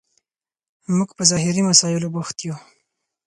موږ په ظاهري مسایلو بوخت یو.